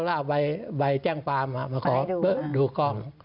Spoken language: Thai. แล้วเอาใบแจ้งความมาขอดูกล้อง